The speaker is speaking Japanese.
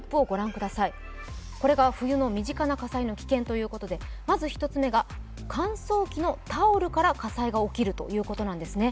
これが冬の身近な火災のキケンということでまず１つ目が乾燥機のタオルから火災が起きるということなんですね。